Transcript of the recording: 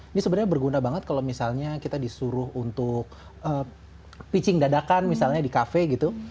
ini sebenarnya berguna banget kalau misalnya kita disuruh untuk pitching dadakan misalnya di kafe gitu